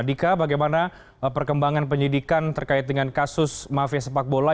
dika bagaimana perkembangan penyidikan terkait dengan kasus mafia sepak bola